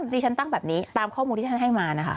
ดิฉันตั้งแบบนี้ตามข้อมูลที่ท่านให้มานะคะ